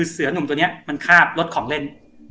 เสือหนุ่มตัวนี้มันคาบรถของเล่น